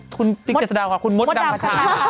คุณติ๊กเชตดาวค่ะคุณมดดังค่ะ